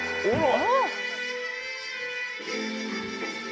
お！